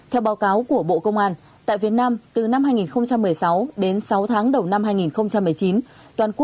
theo báo cáo của bộ công an tại việt nam từ năm hai nghìn một mươi sáu đến sáu tháng đầu năm hai nghìn một mươi chín